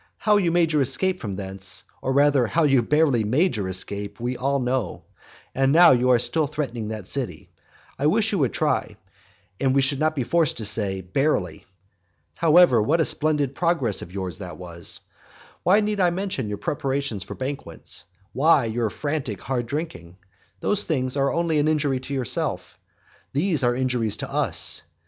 How you made your escape from thence, or rather how you barely made your escape, we all know. And now you are still threatening that city. I wish you would try, and we should not then be forced to say "barely." However, what a splendid progress of yours that was! Why need I mention your preparations for banquets, why your frantic hard drinking? Those things are only an injury to yourself; these are injuries to us.